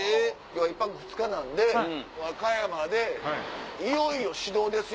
今日は１泊２日なんで和歌山でいよいよ始動ですよ。